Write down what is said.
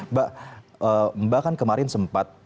mbak mbak kan kemarin sempat